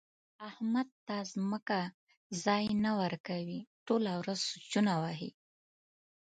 احمد ته ځمکه ځای نه ورکوي؛ ټوله ورځ سوچونه وهي.